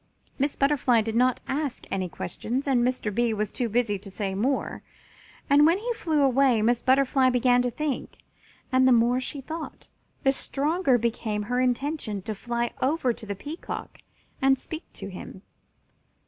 Miss Butterfly did not ask any questions, and Mr. Bee was too busy to say more. But when he flew away Miss Butterfly began to think, and the more she thought the stronger became her intention to fly over to the Peacock and speak to him.